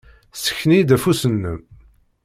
Ssken-iyi-d afus-nnem.